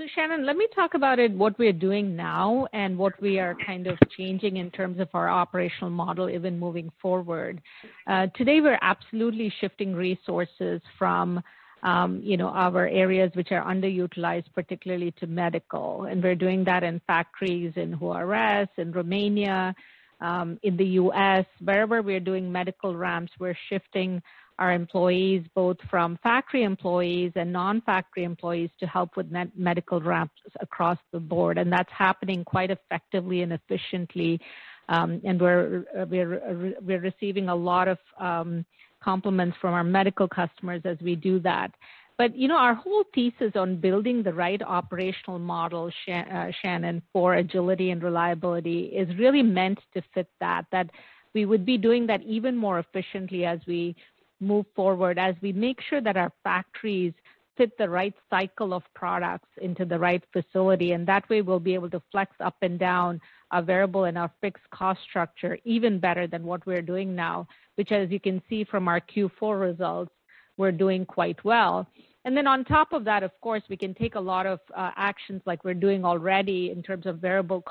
So Shannon, let me talk about what we are doing now and what we are kind of changing in terms of our operational model even moving forward. Today, we're absolutely shifting resources from our areas which are underutilized, particularly to medical. And we're doing that in factories in Juarez, in Romania, in the U.S. Wherever we're doing medical ramps, we're shifting our employees both from factory employees and non-factory employees to help with medical ramps across the board. And that's happening quite effectively and efficiently. And we're receiving a lot of compliments from our medical customers as we do that. But our whole thesis on building the right operational model, Shannon, for agility and reliability is really meant to fit that, that we would be doing that even more efficiently as we move forward, as we make sure that our factories fit the right cycle of products into the right facility. And that way, we'll be able to flex up and down our variable and our fixed cost structure even better than what we're doing now, which, as you can see from our Q4 results, we're doing quite well. And then on top of that, of course, we can take a lot of actions like we're doing already in terms of variable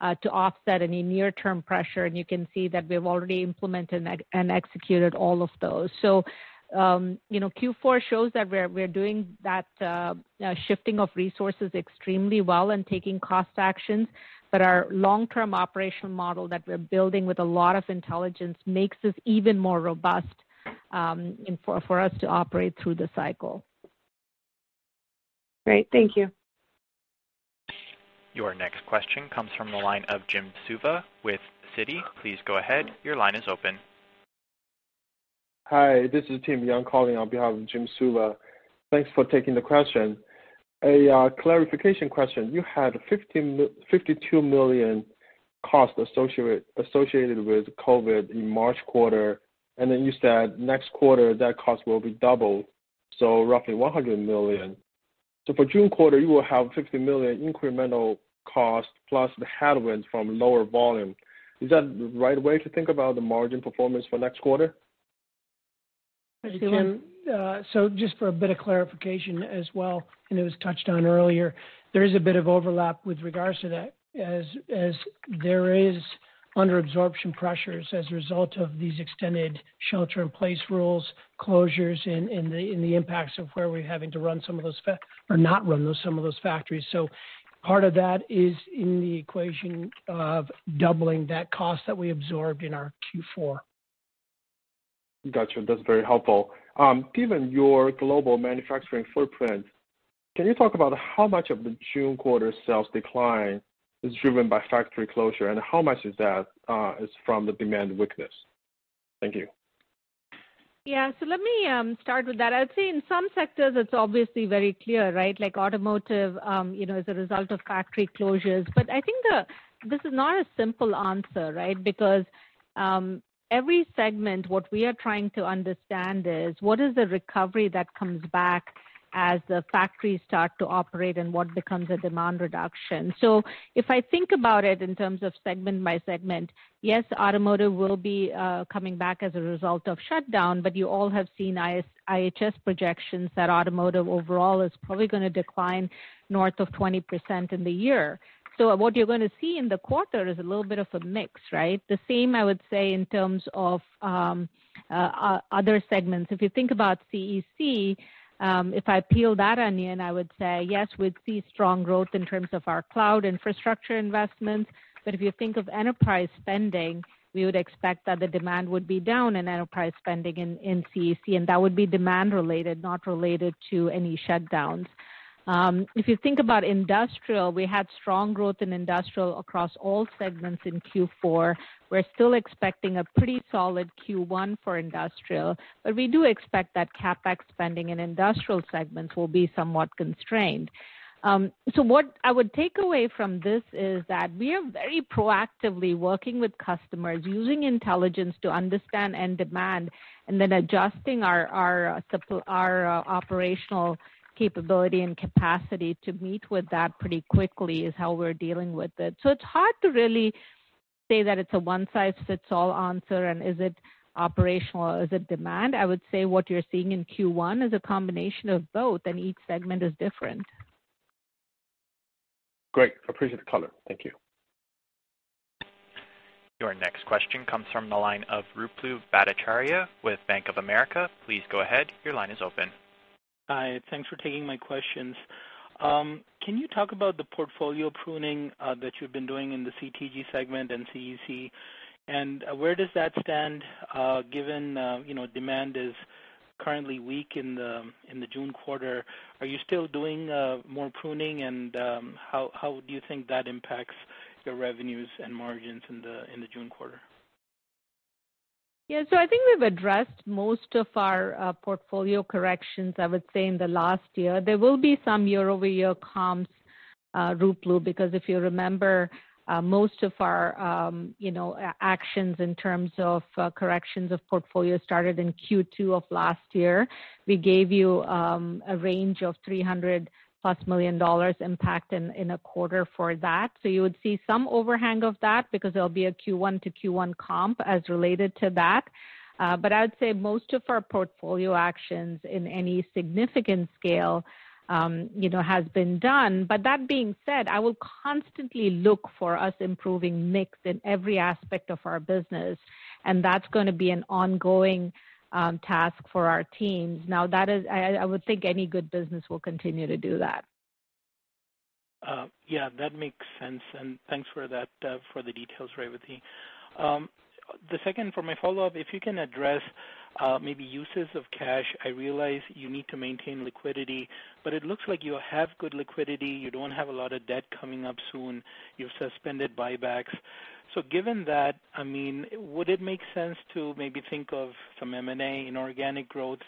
costs to offset any near-term pressure. And you can see that we've already implemented and executed all of those. So Q4 shows that we're doing that shifting of resources extremely well and taking cost actions. But our long-term operational model that we're building with a lot of intelligence makes this even more robust for us to operate through the cycle. Great. Thank you. Your next question comes from the line of Jim Suva with Citi. Please go ahead. Your line is open. Hi, this is Tim Yang calling on behalf of Jim Suva. Thanks for taking the question. A clarification question. You had $52 million cost associated with COVID in March quarter. And then you said next quarter that cost will be doubled, so roughly $100 million. So for June quarter, you will have $50 million incremental cost plus the headwinds from lower volume. Is that the right way to think about the margin performance for next quarter? So just for a bit of clarification as well, and it was touched on earlier, there is a bit of overlap with regards to that as there is underabsorption pressures as a result of these extended shelter-in-place rules, closures, and the impacts of where we're having to run some of those or not run some of those factories. So part of that is in the equation of doubling that cost that we absorbed in our Q4. Gotcha. That's very helpful. Given your global manufacturing footprint, can you talk about how much of the June quarter sales decline is driven by factory closure, and how much of that is from the demand weakness? Thank you. Yeah. So let me start with that. I'd say in some sectors, it's obviously very clear, right, like automotive as a result of factory closures. But I think this is not a simple answer, right, because every segment, what we are trying to understand is what is the recovery that comes back as the factories start to operate and what becomes a demand reduction. So if I think about it in terms of segment by segment, yes, automotive will be coming back as a result of shutdown, but you all have seen IHS projections that automotive overall is probably going to decline north of 20% in the year. So what you're going to see in the quarter is a little bit of a mix, right? The same, I would say, in terms of other segments. If you think about CEC, if I peel that onion, I would say, yes, we'd see strong growth in terms of our cloud infrastructure investments. But if you think of enterprise spending, we would expect that the demand would be down in enterprise spending in CEC, and that would be demand-related, not related to any shutdowns. If you think about industrial, we had strong growth in industrial across all segments in Q4. We're still expecting a pretty solid Q1 for industrial, but we do expect that CapEx spending in industrial segments will be somewhat constrained. So what I would take away from this is that we are very proactively working with customers, using intelligence to understand end demand, and then adjusting our operational capability and capacity to meet with that pretty quickly is how we're dealing with it. So it's hard to really say that it's a one-size-fits-all answer. And is it operational or is it demand? I would say what you're seeing in Q1 is a combination of both, and each segment is different. Great. Appreciate the color. Thank you. Your next question comes from the line of Ruplu Bhattacharya with Bank of America. Please go ahead. Your line is open. Hi. Thanks for taking my questions. Can you talk about the portfolio pruning that you've been doing in the CTG segment and CEC? And where does that stand given demand is currently weak in the June quarter? Are you still doing more pruning, and how do you think that impacts your revenues and margins in the June quarter? Yeah. So I think we've addressed most of our portfolio corrections, I would say, in the last year. There will be some year-over-year comps, Ruplu, because if you remember, most of our actions in terms of corrections of portfolio started in Q2 of last year. We gave you a range of $300-plus million impact in a quarter for that. So you would see some overhang of that because there'll be a Q1-to-Q1 comp as related to that. But I would say most of our portfolio actions in any significant scale has been done. But that being said, I will constantly look for us improving mix in every aspect of our business, and that's going to be an ongoing task for our teams. Now, I would think any good business will continue to do that. Yeah. That makes sense. And thanks for the details, Revathi. The second, for my follow-up, if you can address maybe uses of cash, I realize you need to maintain liquidity, but it looks like you have good liquidity. You don't have a lot of debt coming up soon. You've suspended buybacks. So given that, I mean, would it make sense to maybe think of some M&A inorganic growth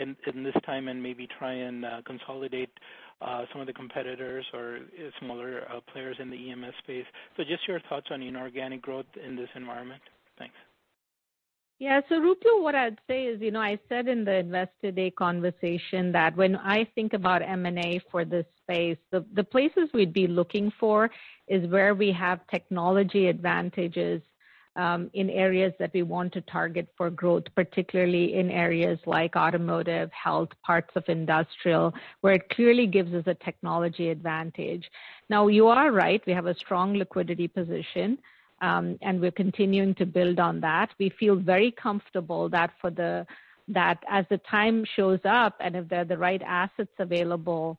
in this time and maybe try and consolidate some of the competitors or smaller players in the EMS space? So just your thoughts on inorganic growth in this environment. Thanks. Yeah. So Ruplu, what I'd say is I said in the Investor Day conversation that when I think about M&A for this space, the places we'd be looking for is where we have technology advantages in areas that we want to target for growth, particularly in areas like automotive, health, parts of industrial, where it clearly gives us a technology advantage. Now, you are right. We have a strong liquidity position, and we're continuing to build on that. We feel very comfortable that as the time shows up and if there are the right assets available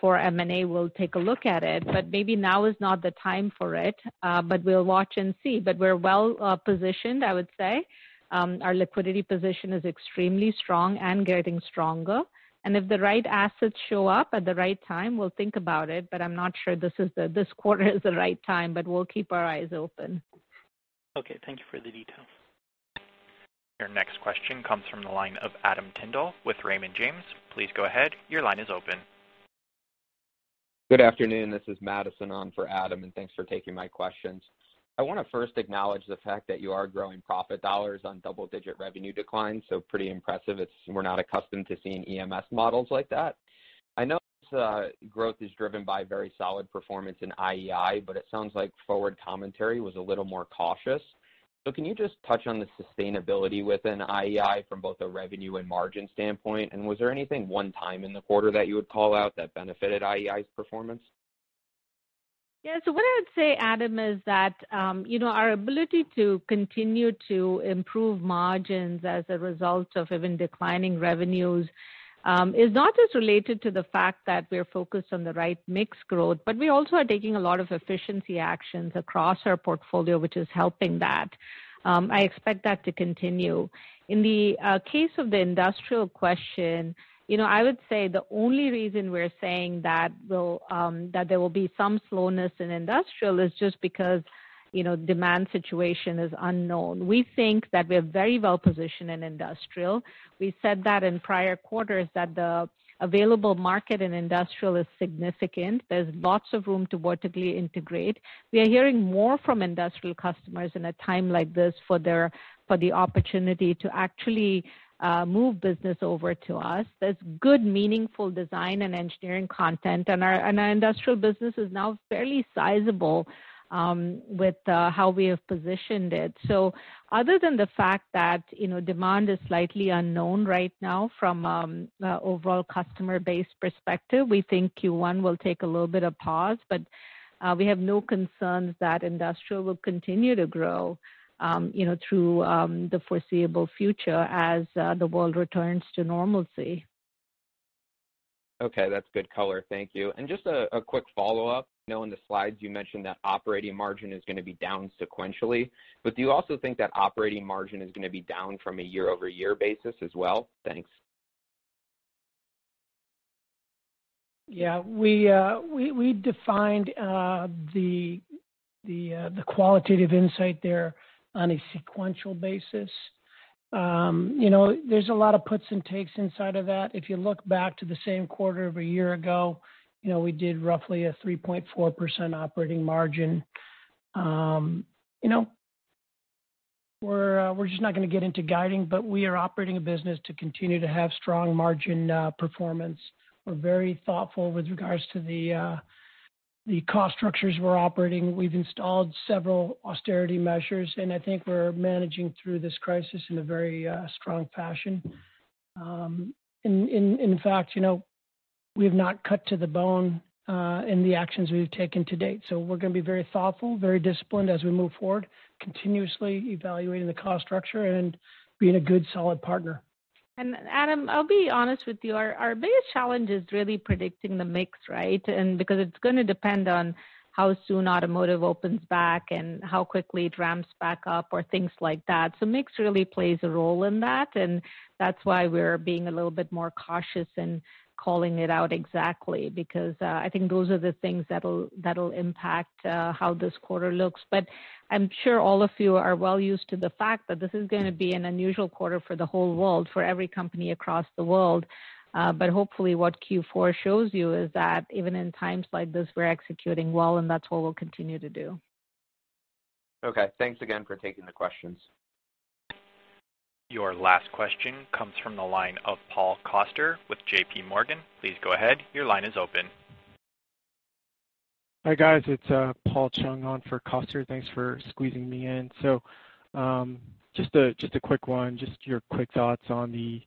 for M&A, we'll take a look at it. But maybe now is not the time for it, but we'll watch and see. But we're well positioned, I would say. Our liquidity position is extremely strong and getting stronger. And if the right assets show up at the right time, we'll think about it. But I'm not sure this quarter is the right time, but we'll keep our eyes open. Okay. Thank you for the details. Your next question comes from the line of Adam Tindle with Raymond James. Please go ahead. Your line is open. Good afternoon. This is Madison on for Adam, and thanks for taking my questions. I want to first acknowledge the fact that you are growing profit dollars on double-digit revenue declines. So pretty impressive. We're not accustomed to seeing EMS models like that. I know growth is driven by very solid performance in IEI, but it sounds like forward commentary was a little more cautious. So can you just touch on the sustainability within IEI from both a revenue and margin standpoint? And was there anything one time in the quarter that you would call out that benefited IEI's performance? Yeah. So what I would say, Adam, is that our ability to continue to improve margins as a result of even declining revenues is not just related to the fact that we're focused on the right mix growth, but we also are taking a lot of efficiency actions across our portfolio, which is helping that. I expect that to continue. In the case of the industrial question, I would say the only reason we're saying that there will be some slowness in industrial is just because the demand situation is unknown. We think that we're very well positioned in industrial. We said that in prior quarters that the available market in industrial is significant. There's lots of room to vertically integrate. We are hearing more from industrial customers in a time like this for the opportunity to actually move business over to us. There's good, meaningful design and engineering content, and our industrial business is now fairly sizable with how we have positioned it. So other than the fact that demand is slightly unknown right now from an overall customer-based perspective, we think Q1 will take a little bit of pause, but we have no concerns that industrial will continue to grow through the foreseeable future as the world returns to normalcy. Okay. That's good color. Thank you. And just a quick follow-up. In the slides, you mentioned that operating margin is going to be down sequentially. But do you also think that operating margin is going to be down from a year-over-year basis as well? Thanks. Yeah. We defined the qualitative insight there on a sequential basis. There's a lot of puts and takes inside of that. If you look back to the same quarter of a year ago, we did roughly a 3.4% operating margin. We're just not going to get into guiding, but we are operating a business to continue to have strong margin performance. We're very thoughtful with regards to the cost structures we're operating. We've installed several austerity measures, and I think we're managing through this crisis in a very strong fashion. In fact, we have not cut to the bone in the actions we've taken to date. So we're going to be very thoughtful, very disciplined as we move forward, continuously evaluating the cost structure and being a good, solid partner. And Adam, I'll be honest with you. Our biggest challenge is really predicting the mix, right, because it's going to depend on how soon automotive opens back and how quickly it ramps back up or things like that. So mix really plays a role in that, and that's why we're being a little bit more cautious in calling it out exactly because I think those are the things that'll impact how this quarter looks. But I'm sure all of you are well used to the fact that this is going to be an unusual quarter for the whole world, for every company across the world. But hopefully, what Q4 shows you is that even in times like this, we're executing well, and that's what we'll continue to do. Okay. Thanks again for taking the questions. Your last question comes from the line of Paul Coster with JP Morgan. Please go ahead. Your line is open. Hi, guys. It's Paul Chung on for Coster. Thanks for squeezing me in. So just a quick one, just your quick thoughts on the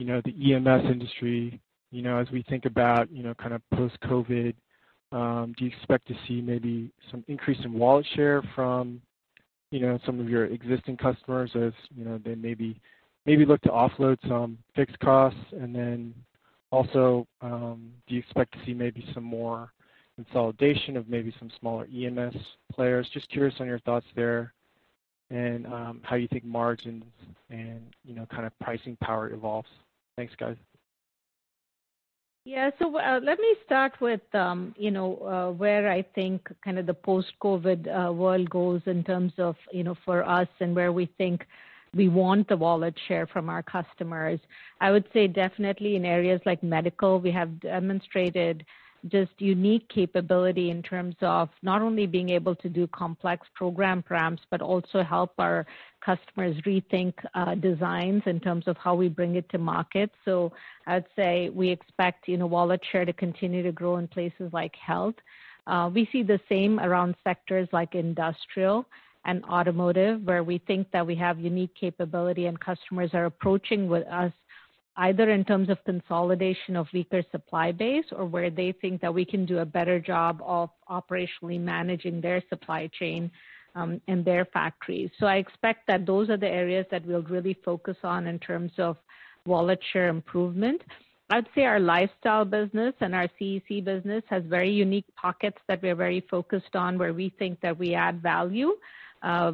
EMS industry as we think about kind of post-COVID? Do you expect to see maybe some increase in wallet share from some of your existing customers as they maybe look to offload some fixed costs? And then also, do you expect to see maybe some more consolidation of maybe some smaller EMS players? Just curious on your thoughts there and how you think margins and kind of pricing power evolves. Thanks, guys. Yeah. So let me start with where I think kind of the post-COVID world goes in terms of for us and where we think we want the wallet share from our customers. I would say definitely in areas like medical, we have demonstrated just unique capability in terms of not only being able to do complex program ramps but also help our customers rethink designs in terms of how we bring it to market. So I would say we expect wallet share to continue to grow in places like health. We see the same around sectors like industrial and automotive where we think that we have unique capability and customers are approaching with us either in terms of consolidation of weaker supply base or where they think that we can do a better job of operationally managing their supply chain and their factories. So I expect that those are the areas that we'll really focus on in terms of wallet share improvement. I'd say our lifestyle business and our CEC business has very unique pockets that we are very focused on where we think that we add value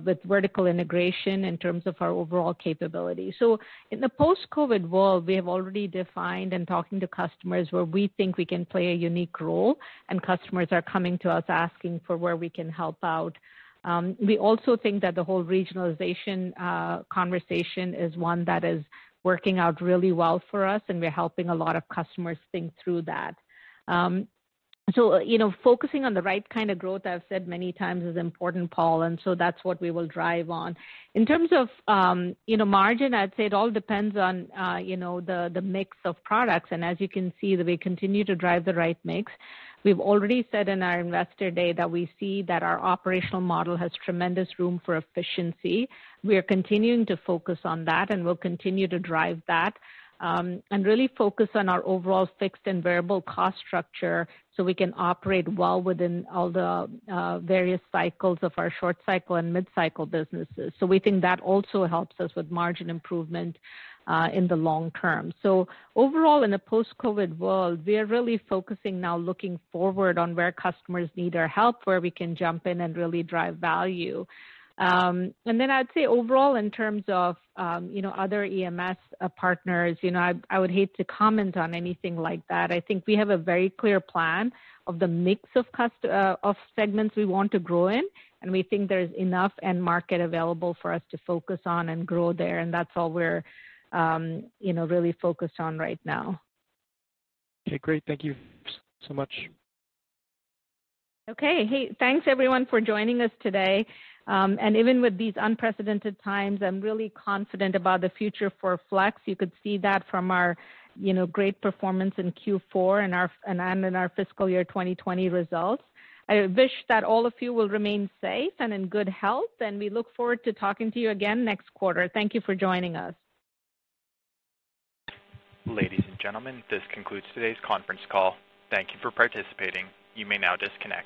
with vertical integration in terms of our overall capability. So in the post-COVID world, we have already defined and talking to customers where we think we can play a unique role, and customers are coming to us asking for where we can help out. We also think that the whole regionalization conversation is one that is working out really well for us, and we're helping a lot of customers think through that. Focusing on the right kind of growth, I've said many times, is important, Paul, and so that's what we will drive on. In terms of margin, I'd say it all depends on the mix of products. As you can see, we continue to drive the right mix. We've already said in our Investor Day that we see that our operational model has tremendous room for efficiency. We are continuing to focus on that, and we'll continue to drive that and really focus on our overall fixed and variable cost structure so we can operate well within all the various cycles of our short-cycle and mid-cycle businesses. So we think that also helps us with margin improvement in the long term. So overall, in the post-COVID world, we are really focusing now looking forward on where customers need our help, where we can jump in and really drive value. And then I'd say overall, in terms of other EMS partners, I would hate to comment on anything like that. I think we have a very clear plan of the mix of segments we want to grow in, and we think there's enough end market available for us to focus on and grow there, and that's all we're really focused on right now. Okay. Great. Thank you so much. Okay. Hey, thanks, everyone, for joining us today. And even with these unprecedented times, I'm really confident about the future for Flex. You could see that from our great performance in Q4 and our fiscal year 2020 results. I wish that all of you will remain safe and in good health, and we look forward to talking to you again next quarter. Thank you for joining us. Ladies and gentlemen, this concludes today's conference call. Thank you for participating. You may now disconnect.